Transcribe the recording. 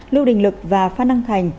lưu đình lực và phan đăng thành